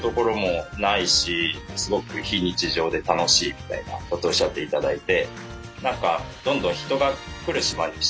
みたいなことおっしゃっていただいて。